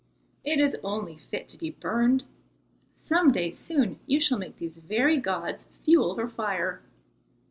It is only fit to be burned. Some day soon you shall make these very gods fuel for fire."